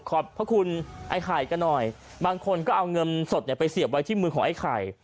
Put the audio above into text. ขอบพระคุณไอ้ไข่กันหน่อยบางคนก็เอาเงินสดเนี่ยไปเสียบไว้ที่มือของไอ้ไข่